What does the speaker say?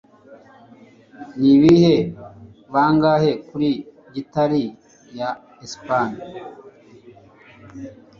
Nibihe bangahe kuri Gitari ya Espagne